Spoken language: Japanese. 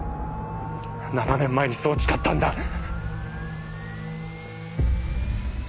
７年前にそう誓ったんだ。